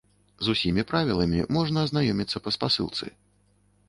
З усімі правіламі можна азнаёміцца па спасылцы.